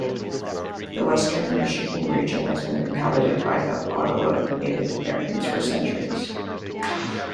The Western Michigan region has been inhabited by the Ottawa Native Americans for centuries.